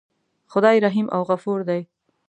خدای رحیم او غفور دی.